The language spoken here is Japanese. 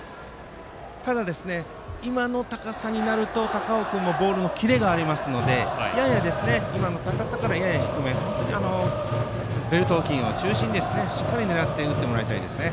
ただ、今の高さになると高尾君もボールのキレがありますのでやや、今の高さからやや低め本当にベルト付近を中心にしっかり狙って打ってもらいたいです。